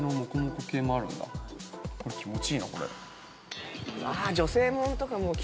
これ気持ちいいな。